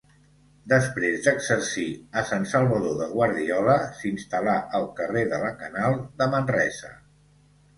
Després d'exercir a Sant Salvador de Guardiola, s'instal·là al carrer de la Canal de Manresa.